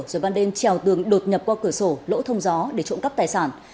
rồi ban đêm trèo tường đột nhập qua cửa sổ lỗ thông gió để trộm cắp tài sản